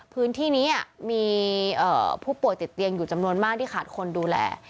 พื้นที่นี้มีผู้ป่วยติดเตียงอยู่จำนวนมากที่ขาดคนดูแล